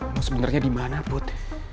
emang sebenernya dimana put